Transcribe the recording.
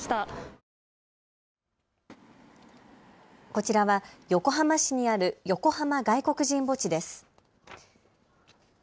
こちらは横浜市にある横浜外国人墓地です。